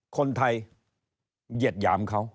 คนไทยเหยียดหยามเขา